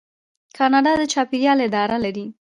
کاناډا د چاپیریال اداره لري.